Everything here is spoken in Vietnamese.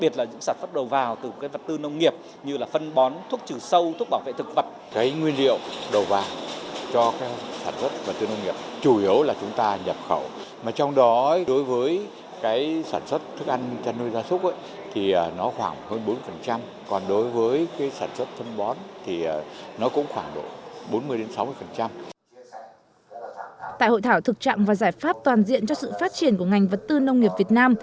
tại hội thảo thực trạng và giải pháp toàn diện cho sự phát triển của ngành vật tư nông nghiệp việt nam